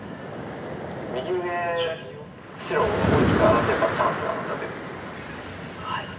右上白大きく荒らせばチャンスがまた出てくると思います。